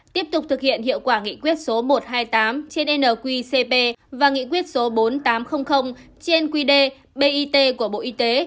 tiếp tục thực hiện hiệu quả nghị quyết số một trăm hai mươi tám trên nqcp và nghị quyết số bốn nghìn tám trăm linh trên qd bit của bộ y tế